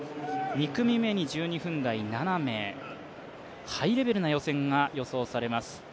２組目に１２分台七名、ハイレベルな予選が予想されます